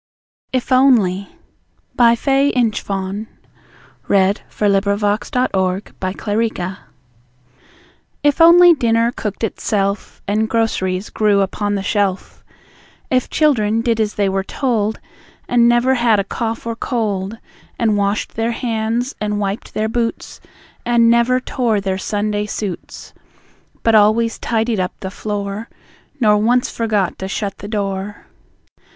at concern for me: My desolate estate, apart from Thee! If Only If only dinner cooked itself, And groceries grew upon the shelf; If children did as they were told, And never had a cough or cold; And washed their hands, and wiped their boots, And never tore their Sunday suits, But always tidied up the floor, Nor once forgot to shut the door.